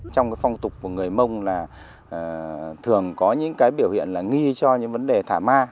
trong cái phong tục của người mông là thường có những cái biểu hiện là nghi cho những vấn đề thả ma